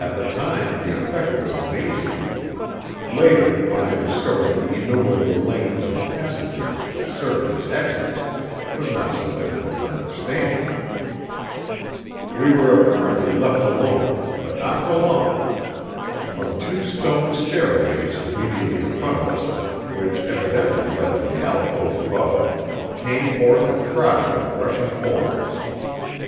At the time the effect was amazing; later, when I discovered the innumerable lanes and passages which served as exits, it was not so difficult to understand. We were apparently left alone, but not for long. From two stone stairways immediately in front of us, which evidently led to the alcove above, came forth a crowd of rushing forms.